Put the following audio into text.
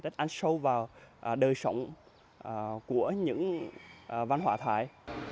rất ăn sâu vào đời sống của những văn hóa thái